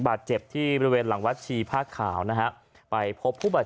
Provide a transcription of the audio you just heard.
บาดเจ็บที่บริเวณหลังวัดชีผ้าขาวนะฮะไปพบผู้บาดเจ็บ